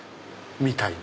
みたいな。